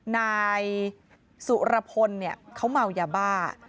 นายสุรพลเขาเมายาบ้า